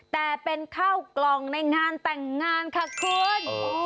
แต่เป็นข้าวกล่องในงานแต่งงานค่ะคุณ